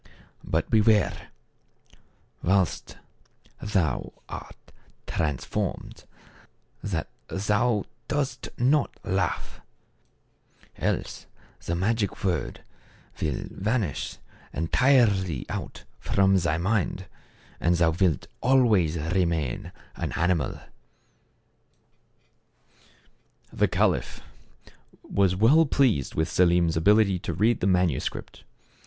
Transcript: "But, beware, while thou art transformed, that thou dost not laugh ; else the magic word will vanish entirely out from thy mind, and thou wilt always remain an animal." The caliph was well pleased with Selim's ability to read the manuscript.